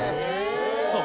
そう。